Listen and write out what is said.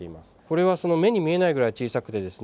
これは目に見えないぐらい小さくてですね